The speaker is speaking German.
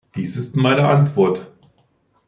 Dies ist meine Antwort.